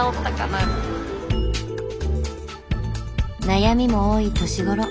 悩みも多い年頃。